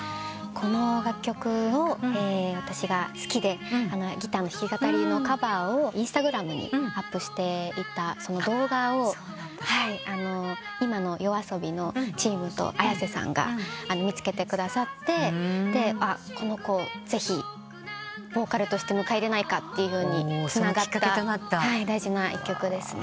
この楽曲を私が好きでギターの弾き語りのカバーをＩｎｓｔａｇｒａｍにアップしていた動画を今のＹＯＡＳＯＢＩのチームとＡｙａｓｅさんが見つけてくださってこの子ぜひボーカルとして迎え入れられないかとつながった大事な一曲ですね。